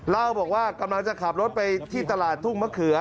เล่าบอกว่ากำลังจะขับรถไปที่ตลาดทุ่งมะเขือ